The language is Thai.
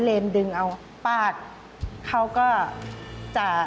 ตื่นขึ้นมาอีกทีตอน๑๐โมงเช้า